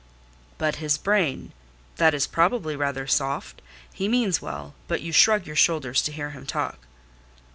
"But his brain? That is probably rather soft? He means well: but you shrug your shoulders to hear him talk?"